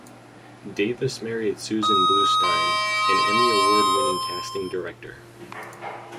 Davis married Susan Bluestein, an Emmy Award-winning casting director.